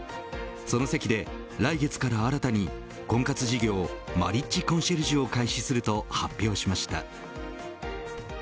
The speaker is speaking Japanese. その席で来月から新たに婚活事業マリッジコンシェルジュを開始すると発表しました。